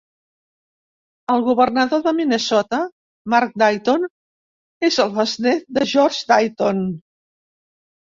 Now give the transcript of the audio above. El governador de Minnesota, Mark Dayton, és el besnét de George Dayton.